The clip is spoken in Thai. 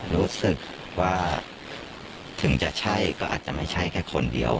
รู้สึกว่าถึงจะใช่ก็อาจจะไม่ใช่แค่คนเดียว